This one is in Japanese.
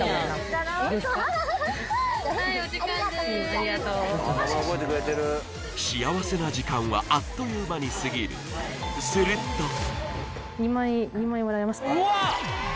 ありがとう幸せな時間はあっという間に過ぎる２枚もらえますか？